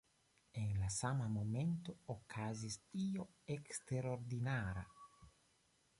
En la sama momento okazis io eksterordinara.